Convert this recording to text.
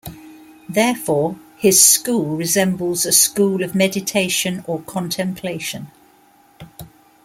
Therefore, his school resembles a school of meditation or contemplation.